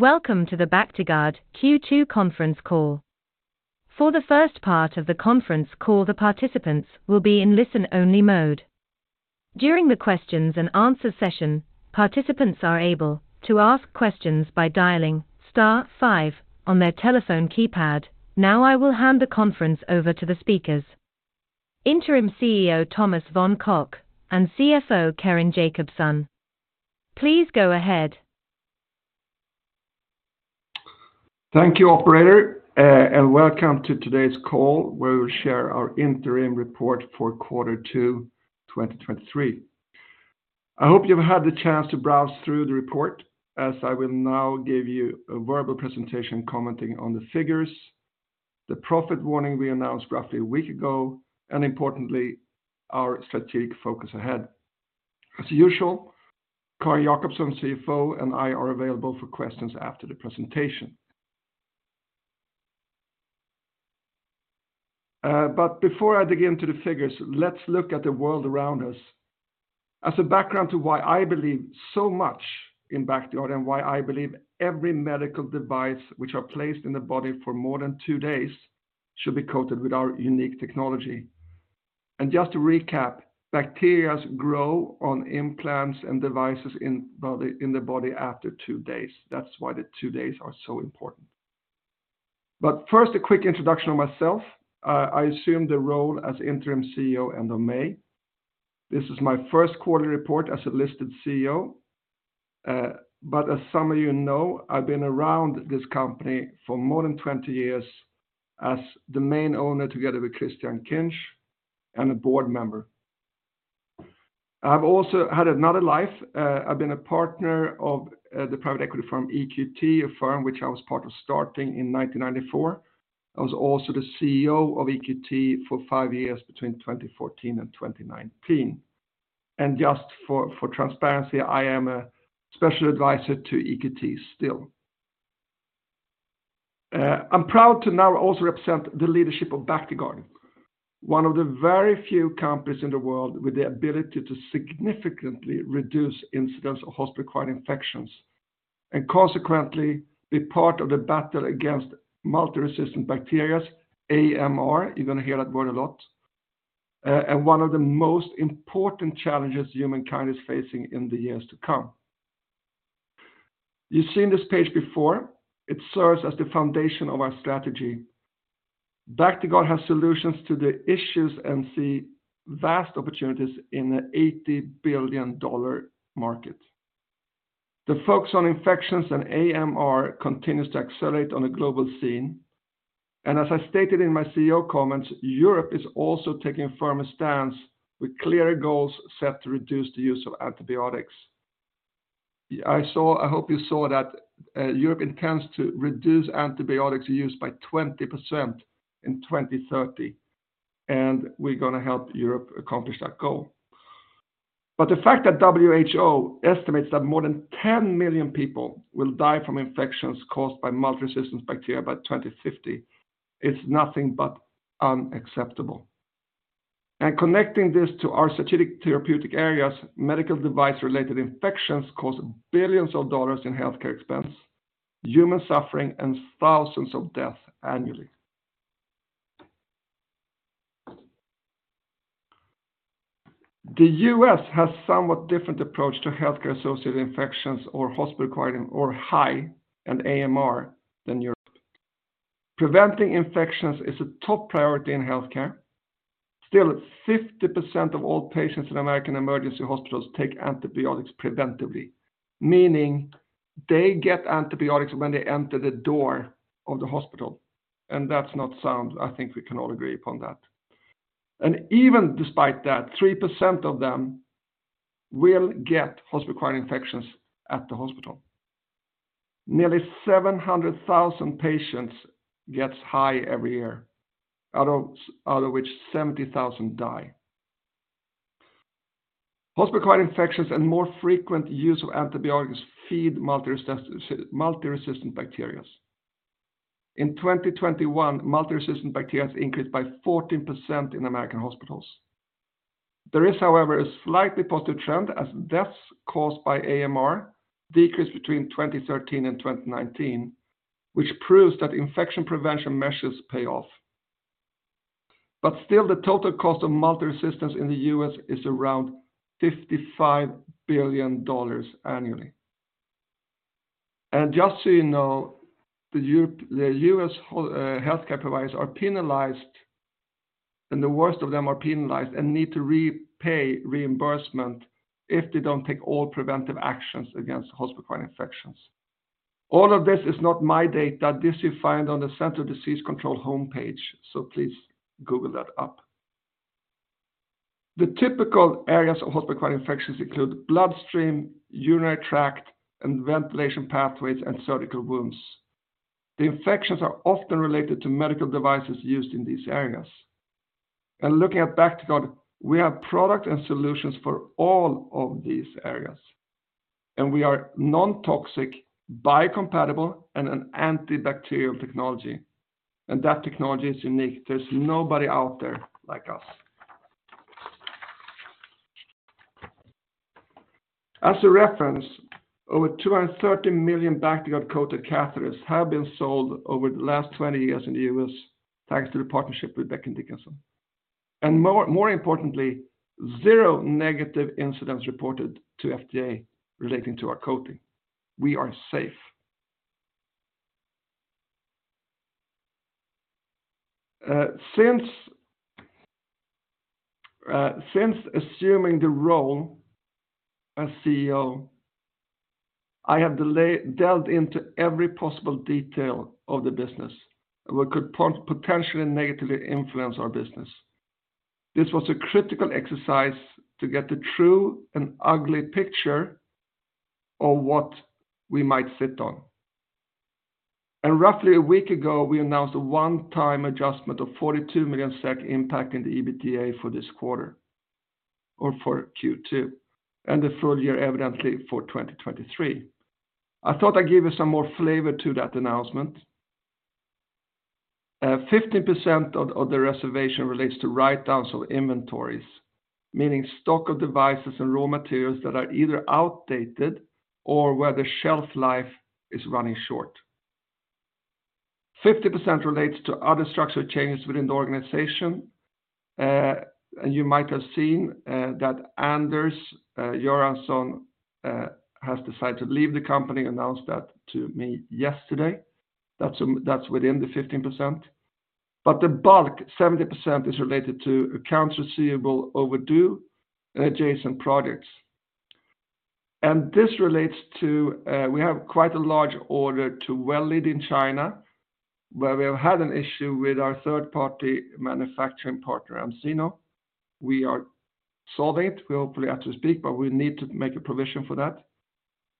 Welcome to the Bactiguard Q2 conference call. For the first part of the conference call, the participants will be in listen-only mode. During the questions and answer session, participants are able to ask questions by dialing star five on their telephone keypad. I will hand the conference over to the speakers, Interim CEO Thomas von Koch and CFO Carin Jakobson. Please go ahead. Thank you, operator, welcome to today's call, where we'll share our interim report for Q2 2023. I hope you've had the chance to browse through the report, as I will now give you a verbal presentation commenting on the figures, the profit warning we announced roughly a week ago, and importantly, our strategic focus ahead. As usual, Carin Jakobson, CFO, and I are available for questions after the presentation. Before I dig into the figures, let's look at the world around us. As a background to why I believe so much in Bactiguard, why I believe every medical device which are placed in the body for more than 2 days should be coated with our unique technology. Just to recap, bacterias grow on implants and devices in the body after two days. That's why the two days are so important. First, a quick introduction of myself. I assumed the role as interim CEO end of May. This is my Q1 report as a listed CEO, but as some of you know, I've been around this company for more than 20 years as the main owner, together with Christian Kinch, and a board member. I've also had another life. I've been a partner of the private equity firm, EQT, a firm which I was part of starting in 1994. I was also the CEO of EQT for five years, between 2014 and 2019, and just for transparency, I am a special advisor to EQT still. I'm proud to now also represent the leadership of Bactiguard, one of the very few companies in the world with the ability to significantly reduce incidents of hospital-acquired infections, and consequently, be part of the battle against multi-resistant bacteria, AMR, you're gonna hear that word a lot, and one of the most important challenges humankind is facing in the years to come. You've seen this page before. It serves as the foundation of our strategy. Bactiguard has solutions to the issues and see vast opportunities in an $80 billion market. The focus on infections and AMR continues to accelerate on the global scene, and as I stated in my CEO comments, Europe is also taking a firmer stance with clearer goals set to reduce the use of antibiotics. I hope you saw that Europe intends to reduce antibiotic use by 20% in 2030, and we're gonna help Europe accomplish that goal. The fact that WHO estimates that more than 10 million people will die from infections caused by multi-resistant bacteria by 2050, is nothing but unacceptable. Connecting this to our strategic therapeutic areas, medical device-related infections cause billions of dollars in healthcare expense, human suffering, and thousands of deaths annually. The U.S. has somewhat different approach to healthcare-associated infections, or hospital-acquired, or HAI, and AMR than Europe. Preventing infections is a top priority in healthcare. Still, 50% of all patients in American emergency hospitals take antibiotics preventively, meaning they get antibiotics when they enter the door of the hospital, and that's not sound. I think we can all agree upon that. Even despite that, 3% of them will get hospital-acquired infections at the hospital. Nearly 700,000 patients gets HAI every year, out of which 70,000 die. Hospital-acquired infections and more frequent use of antibiotics feed multi-resistant bacteria. In 2021, multi-resistant bacteria increased by 14% in American hospitals. There is, however, a slightly positive trend, as deaths caused by AMR decreased between 2013 and 2019, which proves that infection prevention measures pay off. Still, the total cost of multi-resistance in the U.S. is around $55 billion annually. Just so you know, the U.S. healthcare providers are penalized, and the worst of them are penalized, and need to repay reimbursement if they don't take all preventive actions against hospital-acquired infections. All of this is not my data. This you find on the Centers for Disease Control and Prevention homepage, please Google that up. The typical areas of hospital-acquired infections include bloodstream, urinary tract, and ventilation pathways, and surgical wounds. The infections are often related to medical devices used in these areas. Looking at Bactiguard, we have product and solutions for all of these areas, and we are non-toxic, biocompatible, and an antibacterial technology, and that technology is unique. There's nobody out there like us. As a reference, over 230 million Bactiguard-coated catheters have been sold over the last 20 years in the U.S., thanks to the partnership with Becton, Dickinson. More importantly, zero negative incidents reported to FDA relating to our coating. We are safe. Since assuming the role as CEO, I have delved into every possible detail of the business, what could potentially negatively influence our business. This was a critical exercise to get the true and ugly picture of what we might sit on. Roughly a week ago, we announced a one-time adjustment of 42 million SEK impact in the EBITDA for this quarter or for Q2, and the full year, evidently, for 2023. I thought I'd give you some more flavor to that announcement. 50% of the reservation relates to write-downs of inventories, meaning stock of devices and raw materials that are either outdated or where the shelf life is running short. 50% relates to other structural changes within the organization. You might have seen that Anders Göransson has decided to leave the company, announced that to me yesterday. That's within the 15%. The bulk, 70%, is related to accounts receivable overdue and adjacent products. This relates to... We have quite a large order to Well Lead in China, where we have had an issue with our third-party manufacturing partner, Amsino. We are solving it, we hopefully have to speak, but we need to make a provision for that.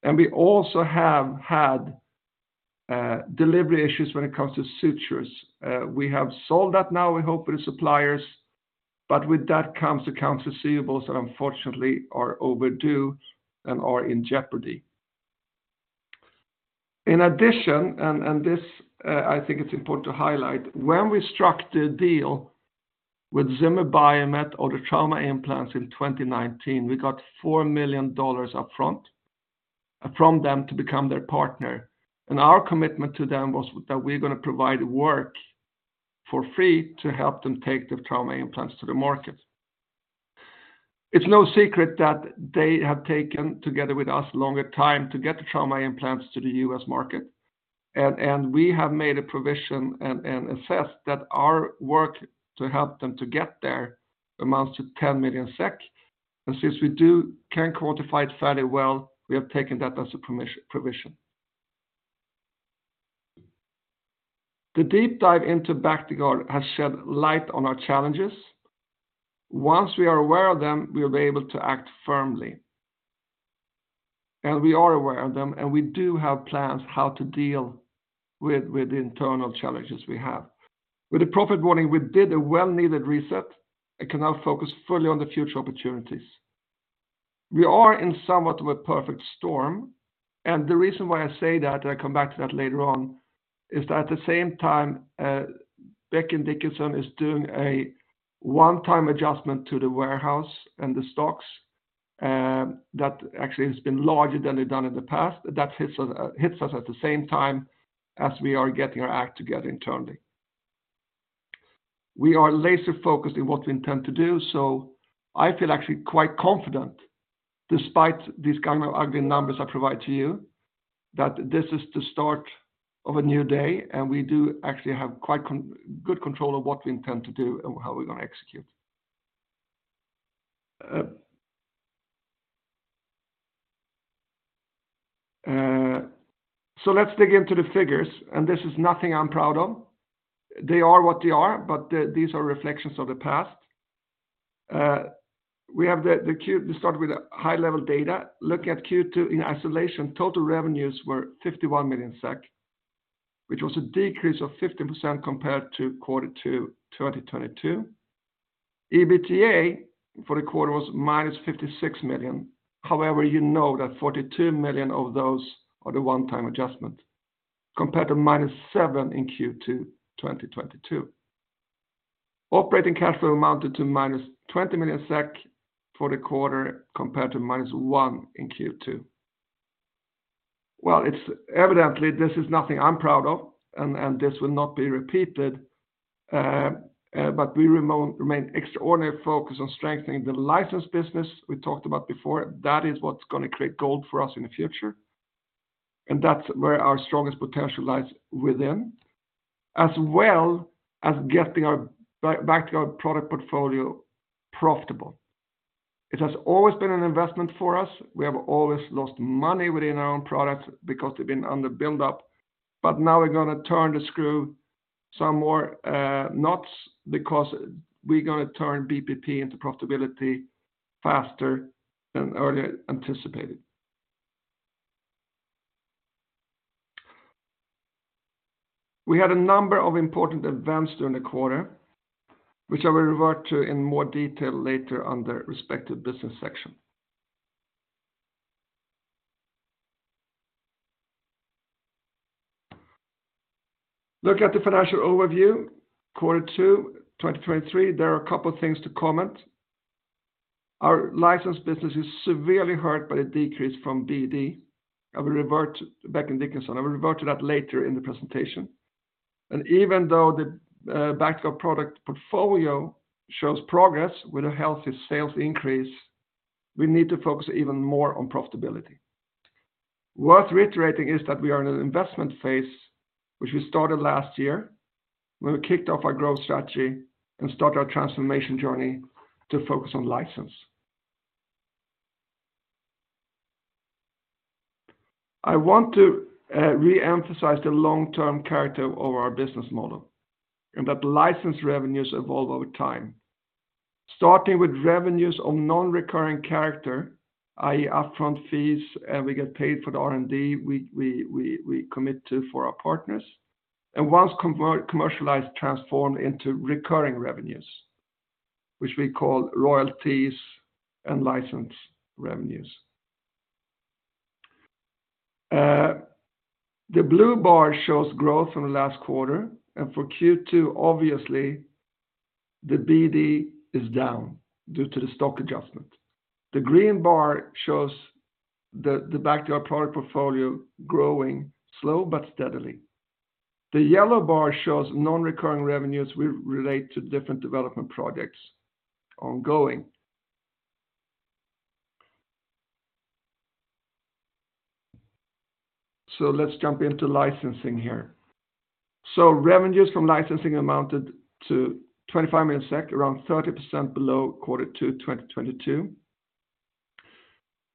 We also have had delivery issues when it comes to sutures. We have solved that now, we hope, with the suppliers, but with that comes accounts receivables that unfortunately are overdue and are in jeopardy. In addition, and this, I think it's important to highlight, when we struck the deal with Zimmer Biomet or the trauma implants in 2019, we got $4 million upfront from them to become their partner. Our commitment to them was that we're gonna provide work for free to help them take the trauma implants to the market. It's no secret that they have taken, together with us, a longer time to get the trauma implants to the U.S. market. We have made a provision and assessed that our work to help them to get there amounts to 10 million SEK. Since we do, can quantify it fairly well, we have taken that as a provision. The deep dive into Bactiguard has shed light on our challenges. Once we are aware of them, we will be able to act firmly. We are aware of them, and we do have plans how to deal with the internal challenges we have. With the profit warning, we did a well-needed reset and can now focus fully on the future opportunities. We are in somewhat of a perfect storm, and the reason why I say that, and I come back to that later on, is that at the same time, Becton, Dickinson is doing a one-time adjustment to the warehouse and the stocks that actually has been larger than they've done in the past. That hits us at the same time as we are getting our act together internally. We are laser-focused in what we intend to do, so I feel actually quite confident, despite these kind of ugly numbers I provide to you, that this is the start of a new day, and we do actually have quite good control of what we intend to do and how we're gonna execute. Let's dig into the figures. This is nothing I'm proud of. They are what they are. These are reflections of the past. We have to start with a high-level data. Look at Q2 in isolation. Total revenues were 51 million SEK, which was a decrease of 50% compared to Q2 2022. EBITDA for the quarter was minus 56 million. However, you know that 42 million of those are the one-time adjustment, compared to minus 7 million in Q2 2022. Operating cash flow amounted to minus 20 million SEK for the quarter, compared to minus 1 million in Q2. Well, it's evidently, this is nothing I'm proud of, and this will not be repeated, but we remain extraordinarily focused on strengthening the license business we talked about before. That is what's gonna create gold for us in the future, and that's where our strongest potential lies within, as well as getting our Bactiguard Product Portfolio profitable. It has always been an investment for us. We have always lost money within our own products because they've been under build-up, but now we're gonna turn the screw some more knots because we're gonna turn BPP into profitability faster than earlier anticipated. We had a number of important events during the quarter, which I will revert to in more detail later on the respective business section. Looking at the financial overview, Q2, 2023, there are a couple of things to comment. Our license business is severely hurt by the decrease from BD, Becton, Dickinson. I will revert to that later in the presentation. Even though the Bactiguard Product Portfolio shows progress with a healthy sales increase, we need to focus even more on profitability. Worth reiterating is that we are in an investment phase, which we started last year, when we kicked off our growth strategy and started our transformation journey to focus on license. I want to re-emphasize the long-term character of our business model, and that the license revenues evolve over time. Starting with revenues of non-recurring character, i.e., upfront fees, and we get paid for the R&D we commit to for our partners, and once commercialized, transformed into recurring revenues, which we call royalties and license revenues. The blue bar shows growth from the last quarter, and for Q2, obviously, the BD is down due to the stock adjustment. The green bar shows the Bactiguard Product Portfolio growing slow but steadily. The yellow bar shows non-recurring revenues we relate to different development projects ongoing. Let's jump into licensing here. Revenues from licensing amounted to 25 million SEK, around 30% below Q2 2022.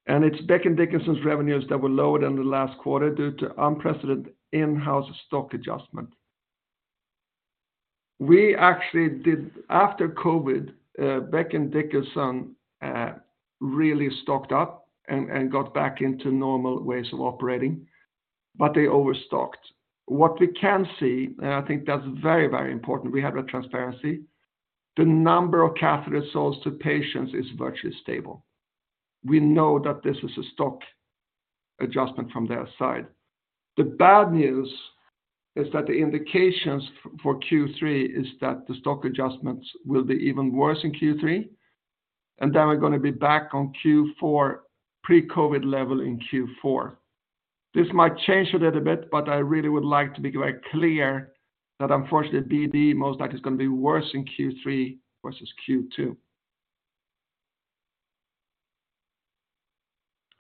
It's Becton, Dickinson's revenues that were lower than the last quarter due to unprecedented in-house stock adjustment. We actually did, after COVID, Becton, Dickinson really stocked up and got back into normal ways of operating, but they overstocked. What we can see, and I think that's very, very important, we have that transparency, the number of catheters sold to patients is virtually stable. We know that this is a stock adjustment from their side. The bad news is that the indications for Q3 is that the stock adjustments will be even worse in Q3. We're going to be back on Q4, pre-COVID level in Q4. This might change a little bit. I really would like to be quite clear that unfortunately, BD most like is going to be worse in Q3 versus Q2.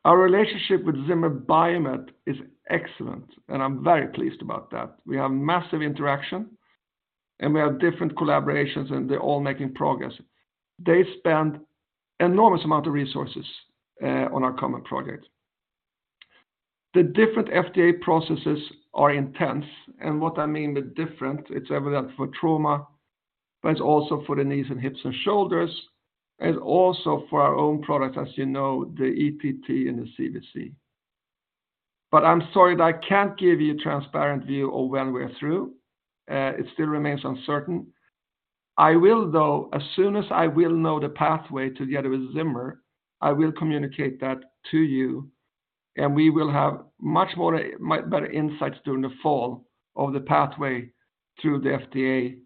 Our relationship with Zimmer Biomet is excellent. I'm very pleased about that. We have massive interaction. We have different collaborations. They're all making progress. They spend enormous amount of resources, on our common project. The different FDA processes are intense. What I mean by different, it's evident for trauma, but it's also for the knees and hips and shoulders, and also for our own product, as you know, the ETT and the CVC. I'm sorry that I can't give you a transparent view of when we're through. It still remains uncertain. I will, though, as soon as I will know the pathway together with Zimmer, I will communicate that to you, and we will have much more, much better insights during the fall of the pathway through the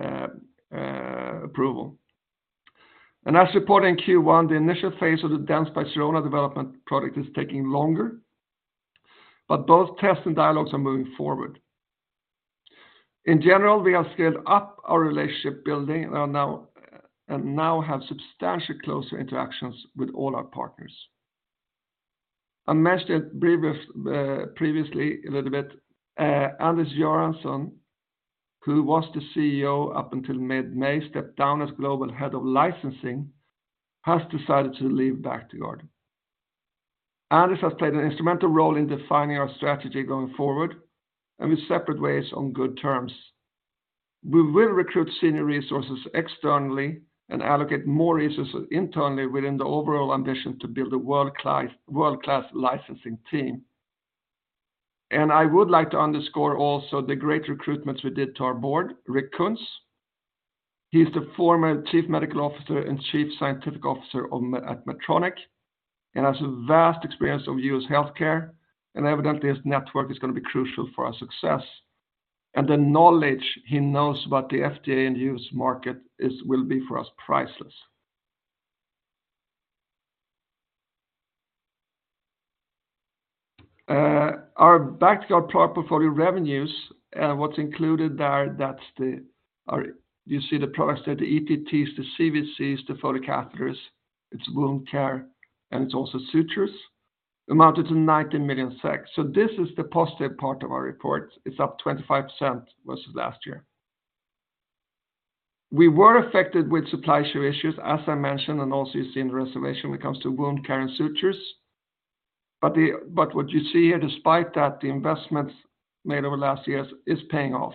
FDA approval. As reported in Q1, the initial phase of the Dentsply Sirona development product is taking longer, but both tests and dialogues are moving forward. In general, we have scaled up our relationship building and are now and now have substantial closer interactions with all our partners. I mentioned briefly previously a little bit Anders Göransson, who was the CEO up until mid-May, stepped down as Global Head of Licensing, has decided to leave Bactiguard. Anders Göransson has played an instrumental role in defining our strategy going forward and with separate ways on good terms. We will recruit senior resources externally and allocate more resources internally within the overall ambition to build a world-class licensing team. I would like to underscore also the great recruitments we did to our board, Richard Kuntz. He's the former Chief Medical Officer and Chief Scientific Officer at Medtronic, and has a vast experience of U.S. healthcare, and evidently, his network is going to be crucial for our success. The knowledge he knows about the FDA and U.S. market is, will be for us, priceless. Our Bactiguard Product Portfolio revenues, what's included there, that's the... You see the products there, the ETTs, the CVCs, the Foley catheters, it's wound care, and it's also sutures, amounted to 19 million. This is the positive part of our report. It's up 25% versus last year. We were affected with supply show issues, as I mentioned, and also you see in the reservation when it comes to wound care and sutures. What you see here, despite that, the investments made over last years is paying off.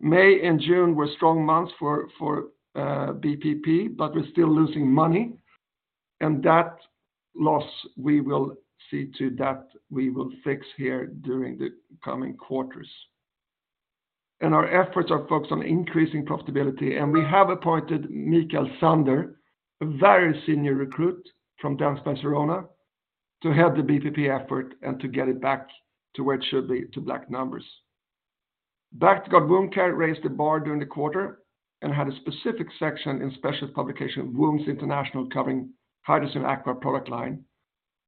May and June were strong months for BPP, but we're still losing money, and that loss, we will see to that we will fix here during the coming quarters. Our efforts are focused on increasing profitability, and we have appointed Mikael Sander, a very senior recruit from Dentsply Sirona, to head the BPP effort and to get it back to where it should be, to black numbers. Bactiguard Wound Care raised the bar during the quarter and had a specific section in specialist publication, Wounds International, covering HYDROCYN aqua product line.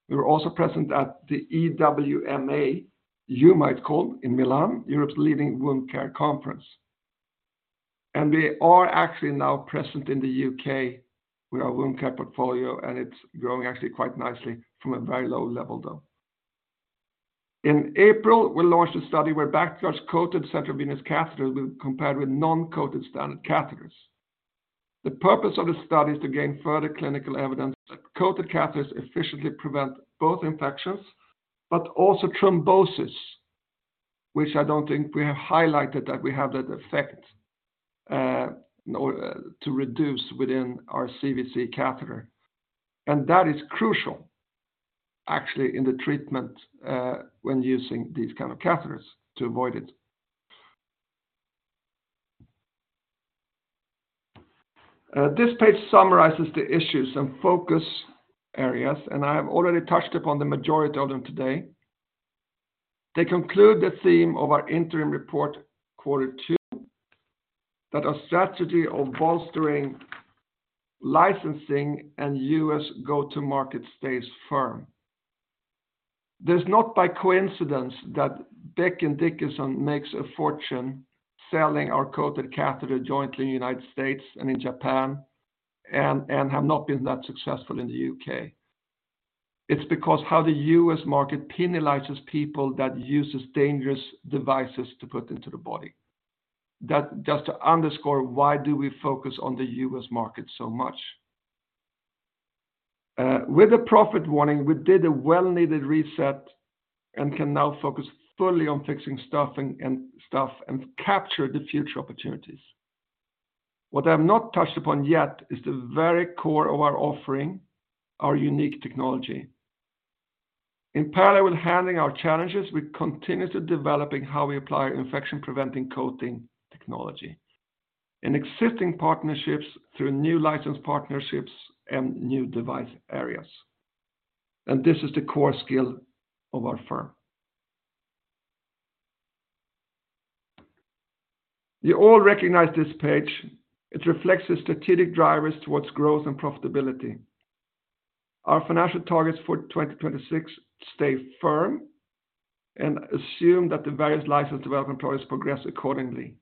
We were also present at the EWMA, you might call, in Milan, Europe's leading wound care conference. We are actually now present in the UK with our wound care portfolio, and it's growing actually quite nicely from a very low level, though. In April, we launched a study where Bactiguard's coated central venous catheters were compared with non-coated standard catheters. The purpose of the study is to gain further clinical evidence that coated catheters efficiently prevent both infections but also thrombosis, which I don't think we have highlighted, that we have that effect, in order to reduce within our CVC catheter. That is crucial, actually, in the treatment when using these kind of catheters to avoid it. This page summarizes the issues and focus areas. I have already touched upon the majority of them today. They conclude the theme of our interim report, Q2, that our strategy of bolstering, licensing, and U.S. go-to-market stays firm. There's not by coincidence that Becton, Dickinson makes a fortune selling our coated catheter jointly in United States and in Japan, and have not been that successful in the U.K. It's because how the U.S. market penalizes people that uses dangerous devices to put into the body. That, just to underscore, why do we focus on the U.S. market so much. With a profit warning, we did a well-needed reset and can now focus fully on fixing stuff and stuff, and capture the future opportunities. What I have not touched upon yet is the very core of our offering, our unique technology. In parallel with handling our challenges, we continue to developing how we apply infection-preventing coating technology in existing partnerships through new license partnerships and new device areas. This is the core skill of our firm. You all recognize this page. It reflects the strategic drivers towards growth and profitability. Our financial targets for 2026 stay firm and assume that the various license development products progress accordingly.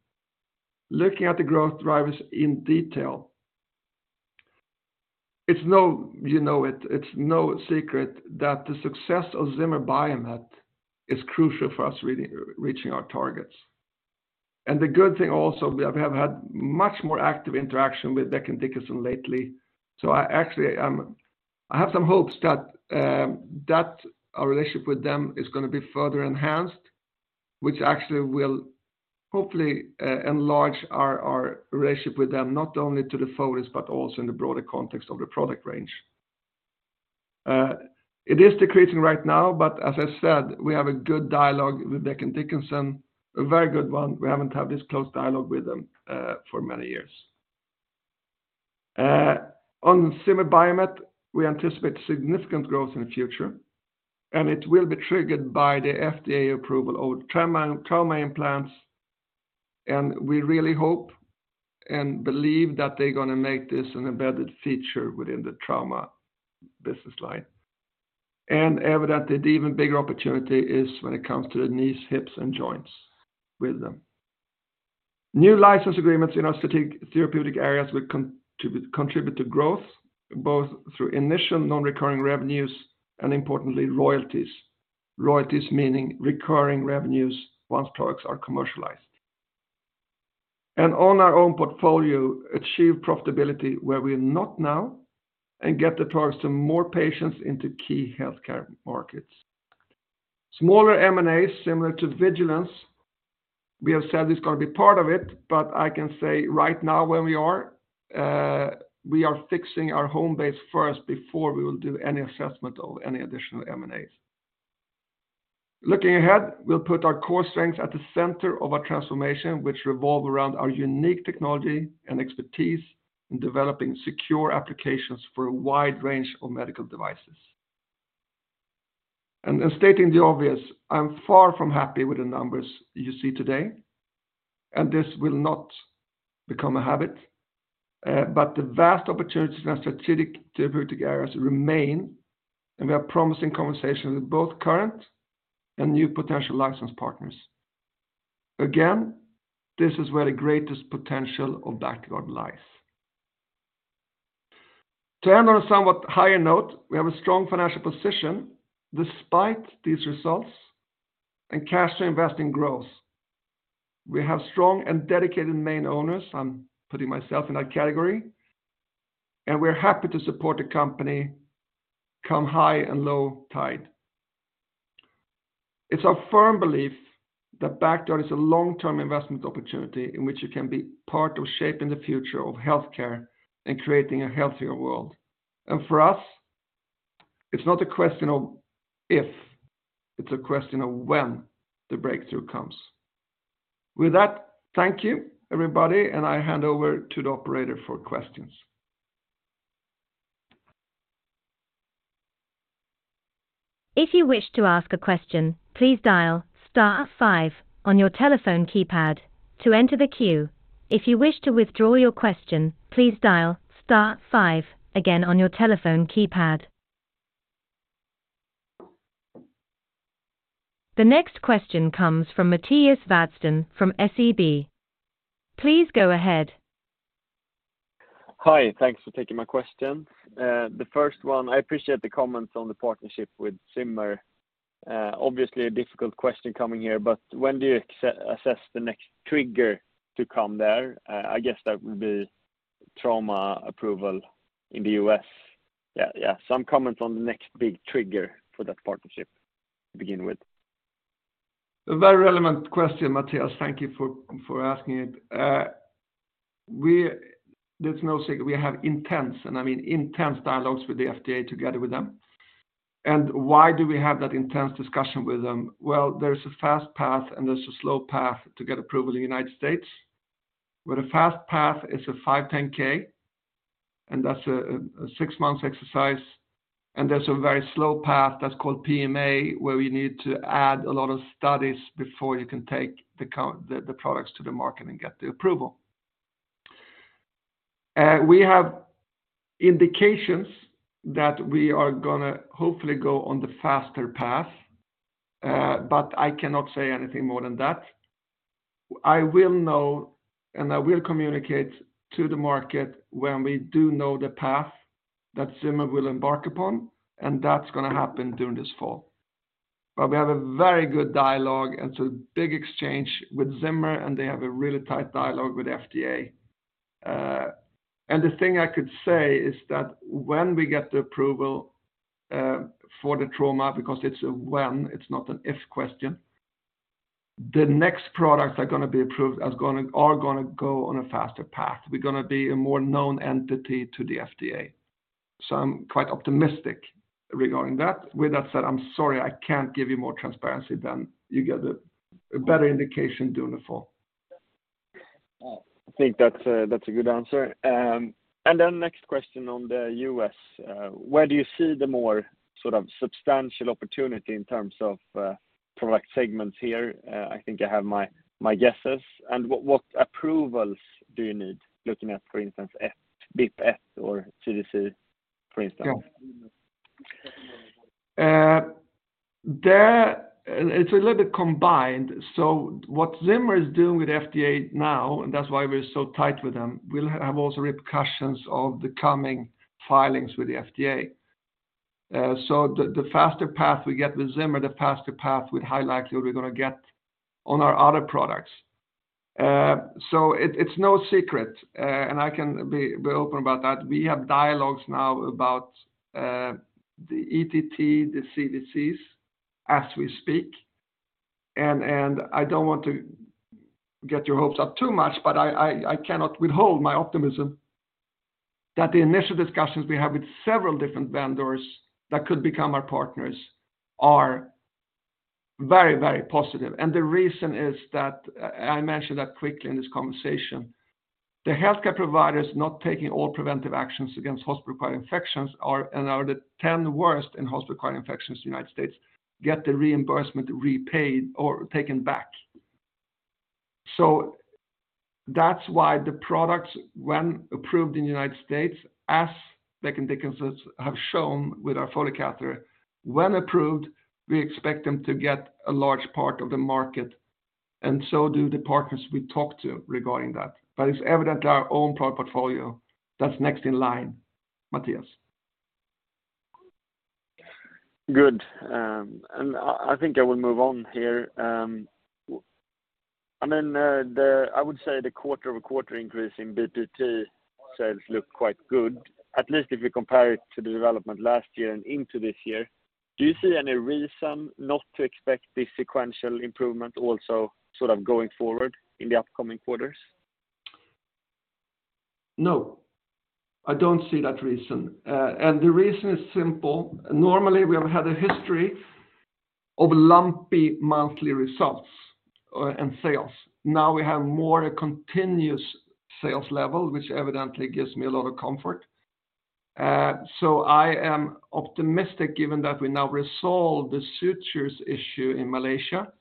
Looking at the growth drivers in detail, you know it's no secret that the success of Zimmer Biomet is crucial for us really, reaching our targets. The good thing also, we have had much more active interaction with Becton, Dickinson lately. I actually have some hopes that our relationship with them is going to be further enhanced, which actually will hopefully enlarge our relationship with them, not only to the focus, but also in the broader context of the product range. It is decreasing right now, but as I said, we have a good dialogue with Becton, Dickinson, a very good one. We haven't had this close dialogue with them for many years. On Zimmer Biomet, we anticipate significant growth in the future, and it will be triggered by the FDA approval of trauma implants, and we really hope and believe that they're gonna make this an embedded feature within the trauma business line. Evidently, the even bigger opportunity is when it comes to the knees, hips, and joints with them. New license agreements in our strategic therapeutic areas will contribute to growth, both through initial non-recurring revenues and importantly, royalties. Royalties meaning recurring revenues once products are commercialized. On our own portfolio, achieve profitability where we're not now and get the products to more patients into key healthcare markets. Smaller M&As, similar to Vigilenz, we have said it's going to be part of it. I can say right now where we are, we are fixing our home base first before we will do any assessment of any additional M&As. Looking ahead, we'll put our core strengths at the center of our transformation, which revolve around our unique technology and expertise in developing secure applications for a wide range of medical devices. In stating the obvious, I'm far from happy with the numbers you see today, and this will not become a habit, but the vast opportunities in our strategic therapeutic areas remain, and we have promising conversations with both current and new potential license partners. Again, this is where the greatest potential of Bactiguard lies. To end on a somewhat higher note, we have a strong financial position despite these results, and cash to invest in growth. We have strong and dedicated main owners, I'm putting myself in that category, and we're happy to support the company come high and low tide. It's our firm belief that Bactiguard is a long-term investment opportunity in which you can be part of shaping the future of healthcare and creating a healthier world. It's not a question of if, it's a question of when the breakthrough comes. Thank you, everybody, and I hand over to the operator for questions. If you wish to ask a question, please dial star five on your telephone keypad to enter the queue. If you wish to withdraw your question, please dial star five again on your telephone keypad. The next question comes from Mattias Vadsten from SEB. Please go ahead. Hi, thanks for taking my question. The first one, I appreciate the comments on the partnership with Zimmer. Obviously a difficult question coming here, but when do you assess the next trigger to come there? I guess that would be trauma approval in the U.S. Yeah. Some comments on the next big trigger for that partnership, to begin with. A very relevant question, Mattias, thank you for asking it. There's no secret. We have intense, and I mean intense dialogues with the FDA together with them. Why do we have that intense discussion with them? Well, there's a fast path and there's a slow path to get approval in the United States, where the fast path is a 510(k), and that's a six months exercise, and there's a very slow path that's called PMA, where we need to add a lot of studies before you can take the products to the market and get the approval. We have indications that we are gonna hopefully go on the faster path, I cannot say anything more than that. I will know, and I will communicate to the market when we do know the path that Zimmer will embark upon, and that's gonna happen during this fall. We have a very good dialogue and so big exchange with Zimmer, and they have a really tight dialogue with FDA. The thing I could say is that when we get the approval for the trauma, because it's a when, it's not an if question, the next products are gonna be approved, are gonna go on a faster path. We're gonna be a more known entity to the FDA, I'm quite optimistic regarding that. With that said, I'm sorry, I can't give you more transparency than you get a better indication during the fall. I think that's a, that's a good answer. Next question on the U.S. Where do you see the more sort of substantial opportunity in terms of, product segments here? I think I have my guesses, and what approvals do you need, looking at, for instance, BPF or CDC, for instance? There, it's a little bit combined. What Zimmer is doing with FDA now, and that's why we're so tight with them, we'll have also repercussions of the coming filings with the FDA. The faster path we get with Zimmer, the faster path with high likelihood we're gonna get on our other products. It's no secret, and I can be open about that. We have dialogues now about the ETT, the CVCs, as we speak, and I don't want to get your hopes up too much, but I cannot withhold my optimism that the initial discussions we have with several different vendors that could become our partners are very, very positive. The reason is that, I mentioned that quickly in this conversation, the healthcare providers not taking all preventive actions against hospital-acquired infections are, and are the 10 worst in hospital-acquired infections in the United States, get the reimbursement repaid or taken back. That's why the products, when approved in the United States, as Becton, Dickinson have shown with our Foley catheter, when approved, we expect them to get a large part of the market, and so do the partners we talk to regarding that. It's evident our own product portfolio, that's next in line, Mattias. Good. I think I will move on here. I mean, the, I would say the quarter-over-quarter increase in BPP sales look quite good, at least if you compare it to the development last year and into this year. Do you see any reason not to expect this sequential improvement also sort of going forward in the upcoming quarters? No, I don't see that reason. The reason is simple. Normally, we have had a history of lumpy monthly results and sales. Now we have more a continuous sales level, which evidently gives me a lot of comfort. I am optimistic, given that we now resolve the sutures issue in Malaysia,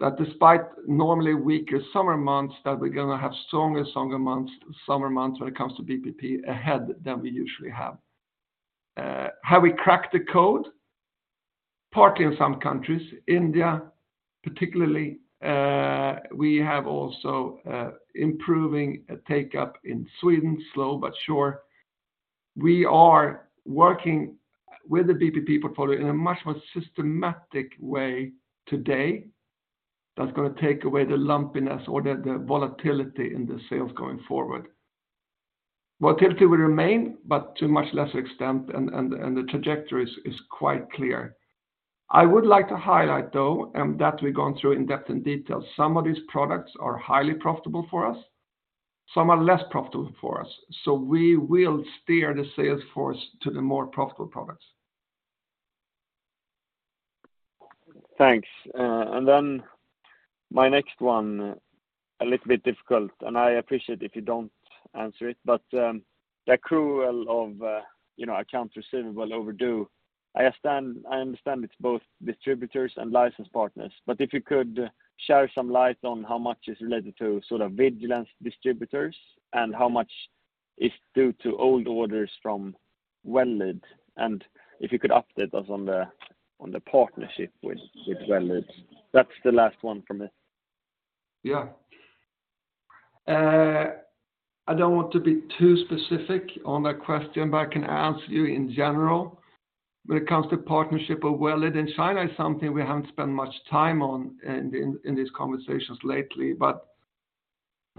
that despite normally weaker summer months, that we're gonna have stronger months, summer months, when it comes to BPP ahead than we usually have. Have we cracked the code? Partly in some countries, India, particularly, we have also improving a take-up in Sweden, slow but sure. We are working with the BPP portfolio in a much more systematic way today, that's gonna take away the lumpiness or the volatility in the sales going forward. Volatility will remain, but to much less extent, and the trajectory is quite clear. I would like to highlight, though, and that we've gone through in depth and detail, some of these products are highly profitable for us. Some are less profitable for us, so we will steer the sales force to the more profitable products. Thanks. My next one, a little bit difficult, and I appreciate if you don't answer it, the accrual of, you know, accounts receivable overdue, I understand it's both distributors and license partners. If you could share some light on how much is related to sort of Vigilenz distributors and how much is due to old orders from Well Lead, and if you could update us on the partnership with Well Lead. That's the last one from me. Yeah. I don't want to be too specific on that question, but I can answer you in general. When it comes to partnership with Well Lead in China, is something we haven't spent much time on in these conversations lately, but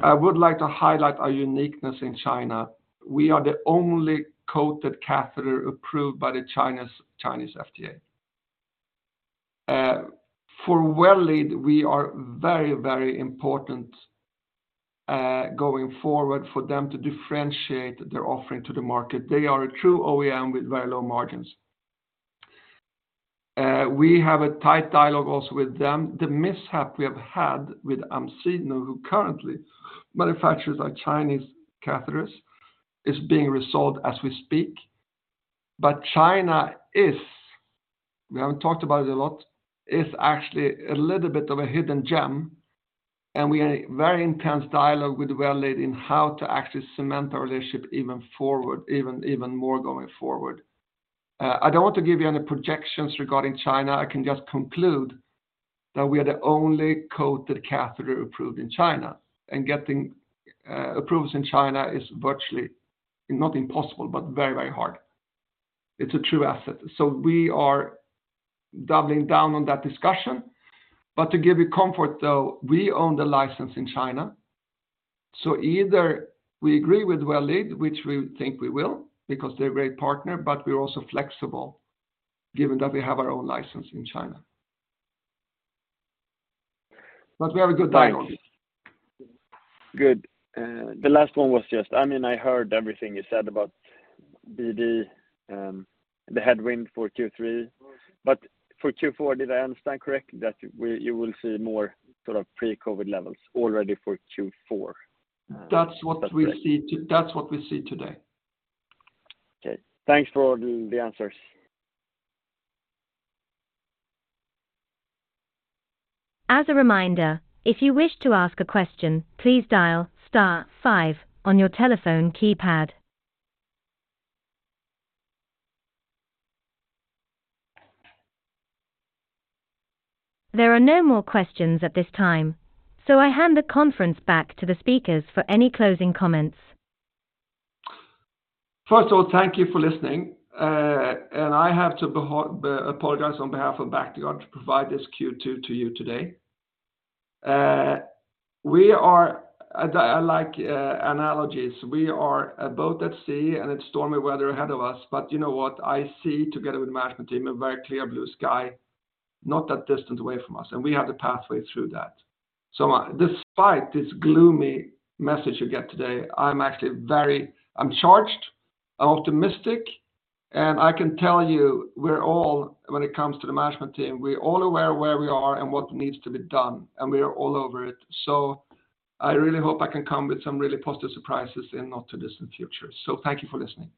I would like to highlight our uniqueness in China. We are the only coated catheter approved by the Chinese FDA. For Well Lead, we are very important going forward for them to differentiate their offering to the market. They are a true OEM with very low margins. We have a tight dialogue also with them. The mishap we have had with Amsino, who currently manufactures our Chinese catheters, is being resolved as we speak. China is, we haven't talked about it a lot, is actually a little bit of a hidden gem, and we are in a very intense dialogue with Well Lead in how to actually cement our relationship even forward, even more going forward. I don't want to give you any projections regarding China. I can just conclude that we are the only coated catheter approved in China, and getting approvals in China is virtually, not impossible, but very, very hard. It's a true asset. We are doubling down on that discussion. To give you comfort, though, we own the license in China, so either we agree with Well Lead, which we think we will, because they're a great partner, but we're also flexible given that we have our own license in China. We have a good dialogue. Good. The last one was just, I mean, I heard everything you said about BD, the headwind for Q3. For Q4, did I understand correct that you will see more sort of pre-COVID levels already for Q4? That's what we see today. Okay, thanks for the answers. As a reminder, if you wish to ask a question, please dial star five on your telephone keypad. There are no more questions at this time. I hand the conference back to the speakers for any closing comments. First of all, thank you for listening. I have to apologize on behalf of Bactiguard to provide this Q2 to you today. I like analogies. We are a boat at sea. It's stormy weather ahead of us, you know what? I see, together with the management team, a very clear blue sky, not that distant away from us. We have the pathway through that. Despite this gloomy message you get today, I'm actually very charged, I'm optimistic. I can tell you we're all, when it comes to the management team, we're all aware of where we are and what needs to be done. We are all over it. I really hope I can come with some really positive surprises in not too distant future. Thank you for listening.